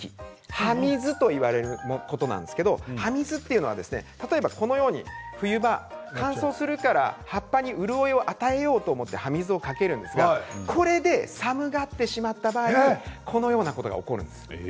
葉水といわれるものなんですが葉水というのはこのように冬場乾燥するから葉っぱに潤いを与えようと思って葉水をかけるんですがこれで寒がってしまった場合はこのようなことが起こってしまいます。